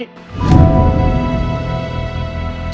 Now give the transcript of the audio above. gak tau gue